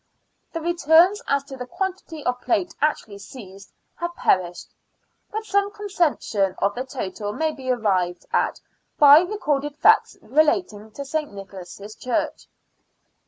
The returns as to the quantity of plate actually seized have perished, but some conception of the total may be arrived at by recorded facts relating to St. Nicholas' Church.